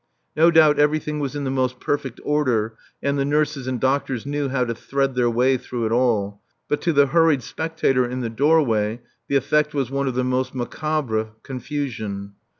No doubt everything was in the most perfect order, and the nurses and doctors knew how to thread their way through it all, but to the hurried spectator in the doorway the effect was one of the most macabre confusion.